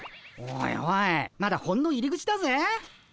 おいおいまだほんの入り口だぜ。